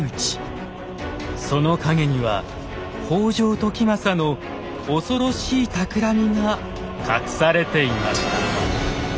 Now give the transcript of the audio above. その陰には北条時政の恐ろしいたくらみが隠されていました。